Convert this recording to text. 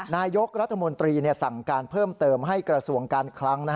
นายกรัฐมนตรีสั่งการเพิ่มเติมให้กระทรวงการคลัง